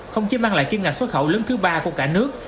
không chỉ mang lại kim ngạch xuất khẩu lớn thứ ba của cả nước